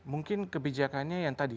mungkin kebijakannya yang tadi